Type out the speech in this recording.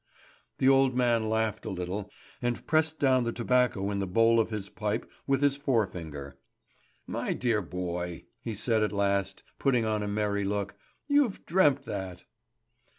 The old man laughed a little, and pressed down the tobacco in the bowl of his pipe with his fore finger. "My dear boy," he said at last, putting on a merry look, "you've dreamt that."